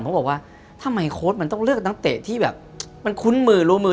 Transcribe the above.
เขาบอกว่าทำไมโค้ดมันต้องเลือกนักเตะที่แบบมันคุ้นมือรู้มือ